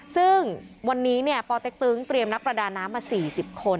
ซึ่งวันนี้เนี่ยปอเต็กตึงเตรียมนักประดาน้ำมาสี่สิบคน